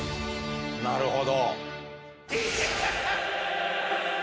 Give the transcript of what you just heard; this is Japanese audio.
なるほど。